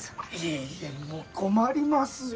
いやいやもう困りますよ